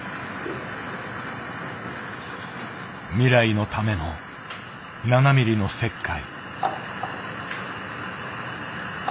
未来のための７ミリの切開。